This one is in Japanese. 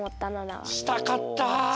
したかった！